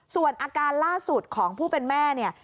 ส่วนอาการล่าสุดของผู้เป็นแม่เนี่ย